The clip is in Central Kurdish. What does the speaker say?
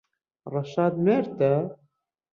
ڕەشاد مێردتە؟